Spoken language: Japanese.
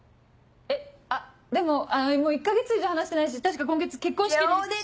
えっあっでももう１か月以上話してないし確か今月結婚式で。